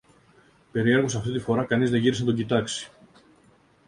Περιέργως αυτή τη φορά κανείς δεν γύρισε να τον κοιτάξει.